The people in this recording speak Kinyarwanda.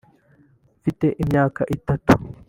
Mfite imyaka itatu